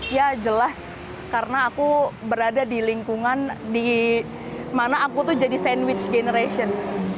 ya jelas karena aku berada di lingkungan di mana aku tuh jadi sandwich generation